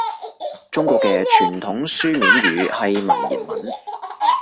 中國嘅傳統書面語係文言文